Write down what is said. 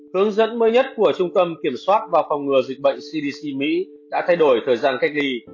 hướng dẫn mới nhất của trung tâm kiểm soát và phòng ngừa dịch bệnh cdc mỹ đã thay đổi thời gian cách ly